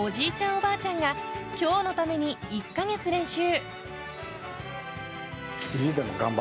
おばあちゃんが今日のために１か月練習。